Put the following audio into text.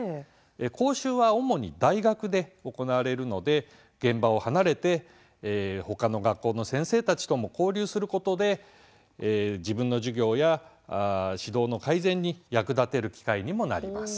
講習は主に大学で行われるので現場を離れてほかの学校の先生たちとも交流することで自分の授業や指導の改善に役立てる機会にもなります。